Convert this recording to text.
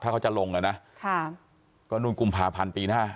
ถ้าเขาจะลงอ่ะนะก็นู่นกุมภาพันธ์ปีหน้า